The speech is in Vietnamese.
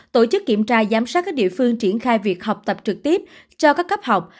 tổ chức kiểm tra giám sát các địa phương triển khai việc học tập trực tiếp cho các cấp học